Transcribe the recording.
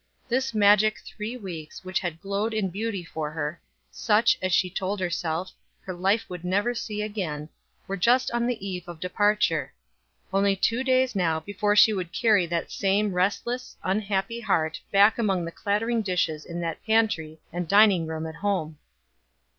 This magic three weeks, which had glowed in beauty for her, such, as she told herself, her life would never see again, were just on the eve of departure; only two days now before she would carry that same restless, unhappy heart back among the clattering dishes in that pantry and dining room at home.